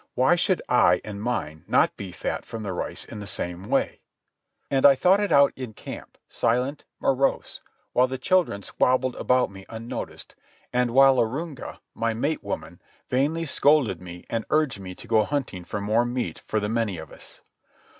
Why should I and mine not be fat from the rice in the same way? And I thought it out in camp, silent, morose, while the children squabbled about me unnoticed, and while Arunga, my mate woman, vainly scolded me and urged me to go hunting for more meat for the many of us.